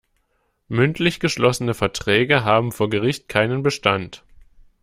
Mündlich geschlossene Verträge haben vor Gericht keinen Bestand.